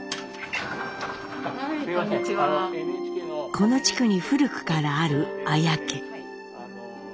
この地区に古くからある綾家。